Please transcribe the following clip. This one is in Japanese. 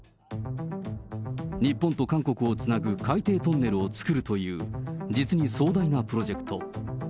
日本と韓国をつなぐ海底トンネルを作るという、実に壮大なプロジェクト。